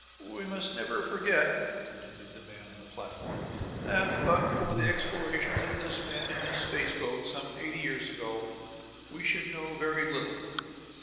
"We must never forget," continued the man on the platform, "that, but for the explorations of this man and his space boat, some eighty years ago, we should know very little.